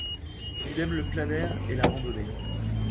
Il aime le plein air et la randonner.